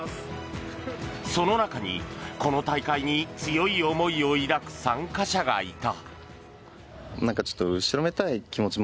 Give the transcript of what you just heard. その中にこの大会に強い思いを抱く参加者がいた。